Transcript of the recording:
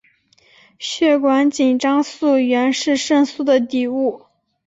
血管紧张素原是肾素的底物。